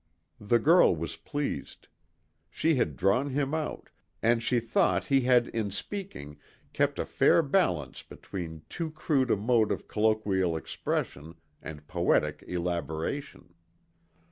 The girl was pleased. She had drawn him out, and she thought he had in speaking kept a fair balance between too crude a mode of colloquial expression and poetic elaboration.